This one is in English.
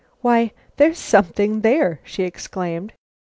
"Why, there is something there!" she exclaimed.